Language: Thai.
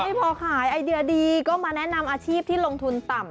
ไม่พอขายไอเดียดีก็มาแนะนำอาชีพที่ลงทุนต่ำ